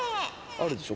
あるでしょ。